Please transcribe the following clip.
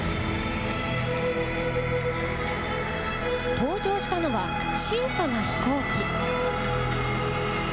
登場したのは、小さな飛行機。